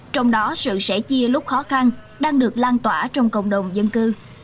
trong đó sự sẻ chia lúc khó khăn đang được lan tỏa trong cộng đồng dân cư